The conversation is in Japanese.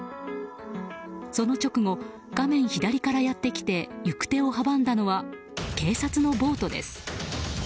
その直後、画面左からやってきて行く手を阻んだのは警察のボートです。